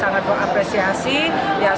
har empat belas mani glukofil yang ingin name ke